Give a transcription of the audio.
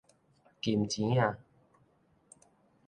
金錢仔